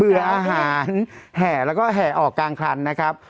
อาหารแห่แล้วก็แห่ออกกลางครันนะครับ